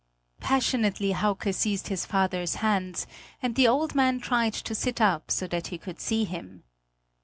Passionately Hauke seized his father's hands, and the old man tried to sit up, so that he could see him.